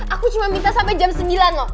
aku cuma minta sampai jam sembilan loh